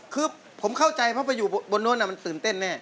คือผมเข้าใจเพราะไปอยู่บนโน้นมันตื่นเต้นแน่